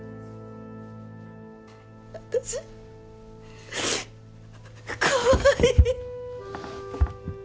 私怖い！